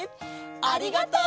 ありがとう！